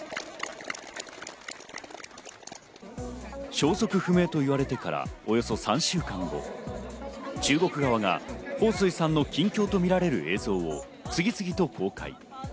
消息不明と言われてからおよそ３週間後、中国側がホウ・スイさんの近況とみられる映像を次々と公開。